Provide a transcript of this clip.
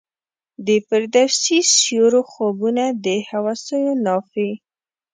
د فردوسي سیورو خوبونه د هوسیو نافي